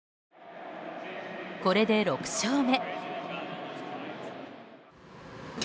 これで６勝目。